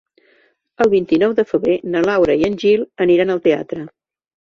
El vint-i-nou de febrer na Laura i en Gil aniran al teatre.